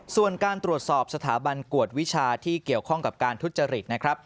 ส่วนการตรวจสอบสถาบันกวดวิชาที่เกี่ยวข้องกับการทุจริตนะครับ